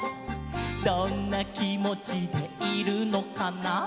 「どんなきもちでいるのかな」